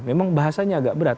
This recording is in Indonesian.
memang bahasanya agak berat